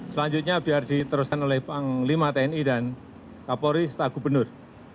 selanjutnya biar diteruskan oleh panglima tni dan kapolri setagubenur